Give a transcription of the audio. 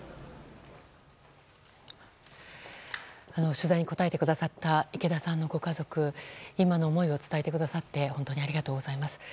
取材に応えてくださった池田さんのご家族今の思いを伝えてくださって本当にありがとうございます。